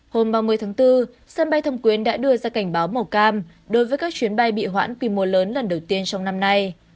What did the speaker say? hôm ba mươi tháng bốn sân bay thâm quyến đã đưa ra cảnh báo màu cam đối với các chuyến bay bị hoãn quy mô lớn lần đầu tiên trong năm nay